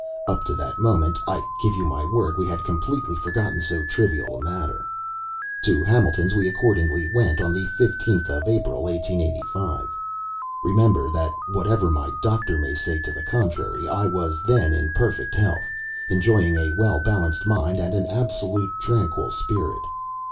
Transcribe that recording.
Up to that moment, I give you my word, we had completely forgotten so trivial a matter. To Hamilton's we accordingly went on the 15th of April, 1885. Remember that whatever my doctor may say to the contrary I was then in perfect health, enjoying a well balanced mind and an absolute tranquil spirit.